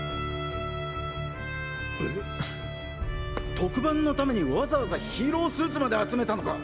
特番のためにわざわざヒーロースーツまで集めたのか！